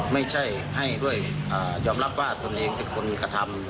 ไม่ใช่ให้ด้วยยอมรับว่าตนเองเป็นคนกระทำ